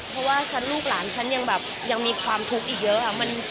เพราะว่าลูกหลานฉันยังแบบยังมีความทุกข์อีกเยอะ